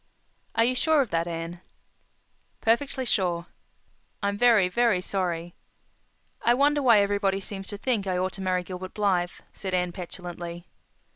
"Are you sure of that, Anne?" "Perfectly sure." "I'm very, very sorry." "I wonder why everybody seems to think I ought to marry Gilbert Blythe," said Anne petulantly.